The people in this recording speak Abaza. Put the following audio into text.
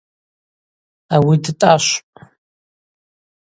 Ауи дтӏашвпӏ.